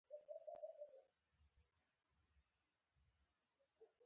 خپله هغه ليکنه په لوړ غږ ولولئ.